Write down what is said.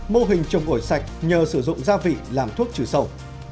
mô hình trồng ổi sạch nhờ sử dụng gia vị làm thuốc trừ sâu